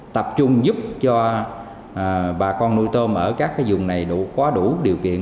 tập trung giúp cho bà con nuôi tôm ở các vùng này có đủ điều kiện